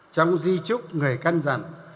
trong di trúc người căn dặn